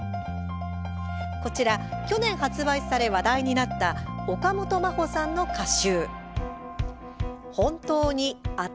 こちら去年発売され話題になった岡本真帆さんの歌集。